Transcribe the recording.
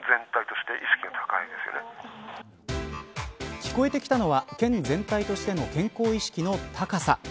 聞こえてきたのは県全体としての健康意識の高さ。